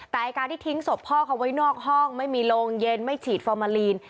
แต่การที่ทิ้งศพพ่อเขาไว้นอกห้องไม่มีโรงเย็นไม่ฉีดฟอร์มาลีน